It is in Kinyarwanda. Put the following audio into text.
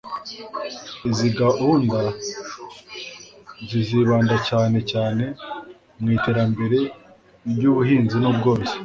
izi gahunda zizibanda cyane cyane mu iterambere ry'ubuhinzi n'ubworozi